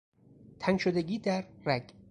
تنگ شدگی در رگ